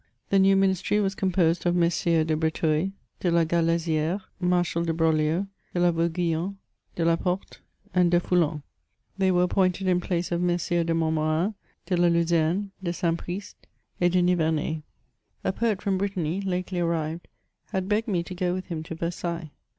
The new ministry was eomposed of MM. de Breteuil, de la Galaisiere, Marshal de Broglio, De la Vauguyon, De Laporte, and De Foulon ; they were appointed in place of M M. de Montmorin, de la Luzerne, de Saint Priest, and de Nivemais. A poet from Brittany, lately arrived, had begged me to go with him to Versailles.